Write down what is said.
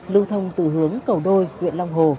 lưu thông từ hướng cầu đôi huyện long hồ